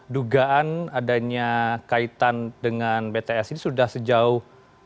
dugaan adanya kaitan dengan bts ini sudah sejauh